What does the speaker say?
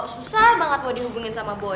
susah banget buat dihubungin sama boy